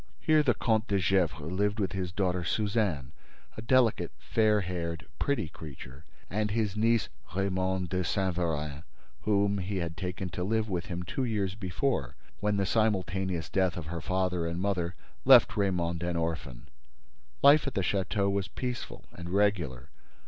Here the Comte de Gesvres lived with his daughter Suzanne, a delicate, fair haired, pretty creature, and his niece Raymonde de Saint Véran, whom he had taken to live with him two years before, when the simultaneous death of her father and mother left Raymonde an orphan. Life at the château was peaceful and regular.